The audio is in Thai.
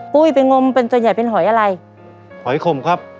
ปุ้ยไปงมเป็นตัวใหญ่เป็นหอยอะไรหอยขมครับ